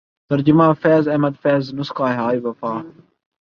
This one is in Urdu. ترجمہ فیض احمد فیض نسخہ ہائے وفا